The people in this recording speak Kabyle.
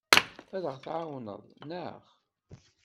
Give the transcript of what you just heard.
Ad aɣ-tɛawneḍ, naɣ?